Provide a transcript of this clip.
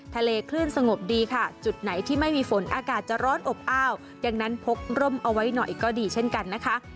ทะเลคลื่นสงบดีค่ะจุดไหนที่ไม่มีฝนอากาศจะร้อนอบอ้าวดังนั้นพกร่มเอาไว้หน่อยก็ดีเช่นกันนะคะ